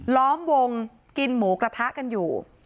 ล้อมวงกินหมูกระทะกันอยู่